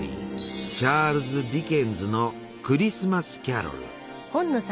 チャールズ・ディケンズの「クリスマス・キャロル」。